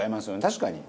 確かに。